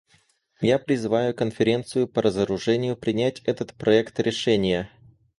Я призываю Конференцию по разоружению принять этот проект решения.